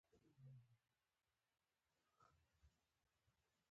پالیسي له یوه حکومت څخه بل ته پاتې شوې ده.